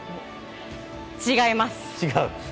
違います！